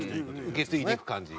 受け継いでいく感じ。